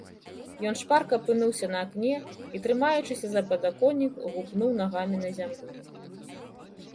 Ён шпарка апынуўся на акне і, трымаючыся за падаконнік, гупнуў нагамі на зямлю.